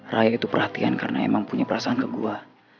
raya itu perhatian karena emang punya perasaan ke gua